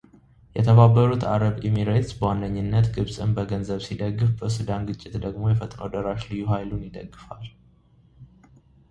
የተባበሩት አረብ ኤምሬትስ በዋነኛነት ግብጽን በገንዘብ ሲደግፍ በሱዳን ግጭት ደግሞ የፈጥኖ ደራሽ ልዩ ኃይሉን ይደግፋል።